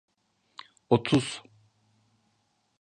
Otuz.